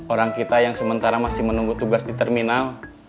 orang kita yang sementara masih menunggu tugas di terminal